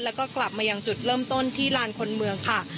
แล้วก็กลับมาอย่างจุดเริ่มต้นที่ลานคนเมืองค่ะ